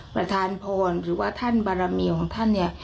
ประธานพรหรือว่าท่านบารมีของท่านเนี่ย